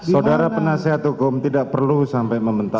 saudara penasehat hukum tidak perlu sampai membentang